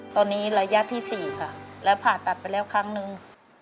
ตอนนี้ระยะที่๔ค่ะแล้วผ่าตัดไปแล้วครั้งนึง